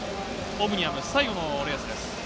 オムニアム、最後のレースです。